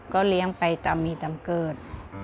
เลี้ยงไปตามมีตามเกิด